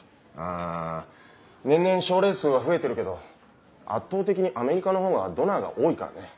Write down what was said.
あ年々症例数は増えてるけど圧倒的にアメリカのほうがドナーが多いからね。